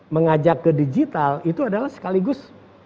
mengajak ke digital itu adalah sekaligus